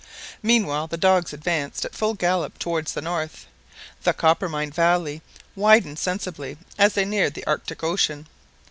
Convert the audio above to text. Meanwhile the dogs advanced at full gallop towards the north. The Coppermine valley widened sensibly as they neared the Arctic Ocean.